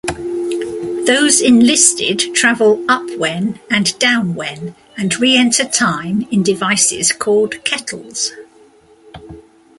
Those enlisted travel "upwhen" and "downwhen" and re-enter time in devices called "kettles".